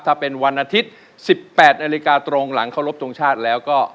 ถ้าเป็นวันอาทิตย์๑๘นาฬิกาตรงหลังเคารพทงชาติแล้วก็